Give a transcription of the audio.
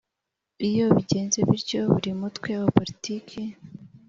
Iyo bigenze bityo buri mutwe wa politiki